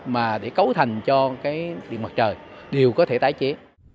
mà để cấu thành cho cái điện mặt trời đều có thể tái chế